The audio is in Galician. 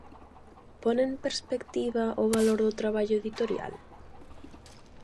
Pon en perspectiva o valor do traballo editorial?